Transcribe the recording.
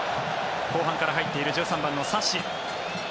後半から入っている１３番のサシ。